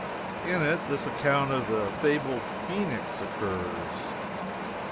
In it this account of the fabled phoenix occurs: "1.